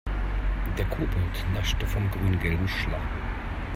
Der Kobold naschte vom grüngelben Schleim.